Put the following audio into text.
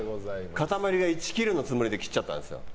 塊が１ｋｇのつもりで切っちゃったんですよ。